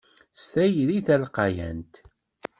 S tayri d talqayant.